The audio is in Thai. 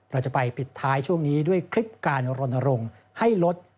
เราจะไปปิดท้ายช่วงนี้ด้วยคลิปการรณรงค์ให้ลด